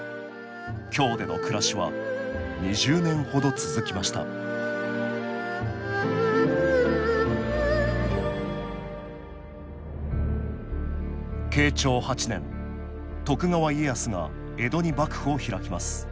京での暮らしは２０年ほど続きました慶長８年徳川家康が江戸に幕府を開きます。